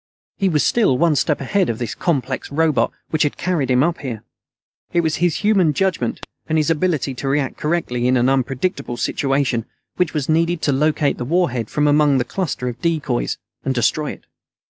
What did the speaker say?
He saw still one step ahead of this complex robot which had carried him up here. It was his human judgment and his ability to react correctly in an unpredictable situation which were needed to locate the warhead from among the cluster of decoys and destroy it.